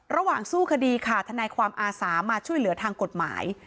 สู้คดีค่ะทนายความอาสามาช่วยเหลือทางกฎหมาย